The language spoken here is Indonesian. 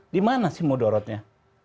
di mana sih mudorotnya